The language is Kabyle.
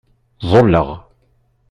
Ẓẓulleɣ.